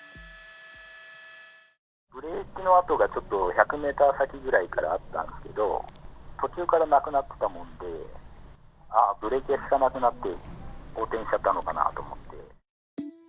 ブレーキの跡がちょっと、１００メーター先くらいからあったんですけど、途中からなくなってたもんで、ああ、ブレーキが利かなくなって横転しちゃったのかなと思って。